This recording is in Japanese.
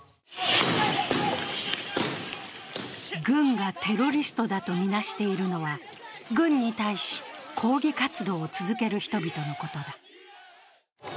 軍がテロリストだとみなしているのは、軍に対し抗議活動を続ける人々のことだ。